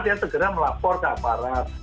dia segera melapor ke aparat